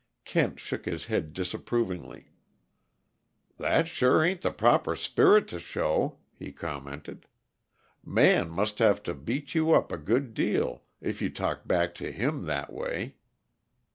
Kent shook his head disapprovingly. "That sure ain't the proper spirit to show," he commented. "Man must have to beat you up a good deal, if you talk back to him that way."